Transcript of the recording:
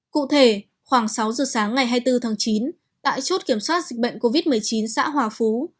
cụ thể khoảng sáu giờ sáng ngày hai mươi bốn tháng chín tại chốt kiểm soát dịch bệnh covid một mươi chín xã hòa phú